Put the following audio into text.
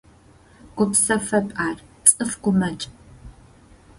Гупсэфэп ар, цӏыф гумэкӏ.